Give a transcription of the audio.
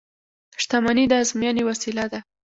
• شتمني د ازموینې وسیله ده.